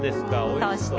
そして。